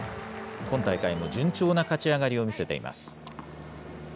今大会も順調な勝ち上がりを見せています。